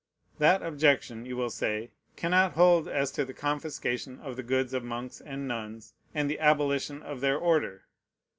That objection, you will say, cannot hold as to the confiscation of the goods of monks and nuns, and the abolition of their order.